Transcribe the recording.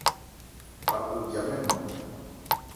Apo bya mɛ́n nman.